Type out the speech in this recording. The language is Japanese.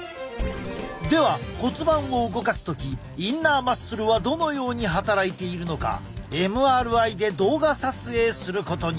では骨盤を動かす時インナーマッスルはどのように働いているのかＭＲＩで動画撮影することに！